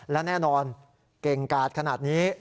และแน่นอนเก่งกาดขนาดนี้